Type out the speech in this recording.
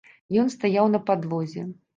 Ён стаяў на падлозе.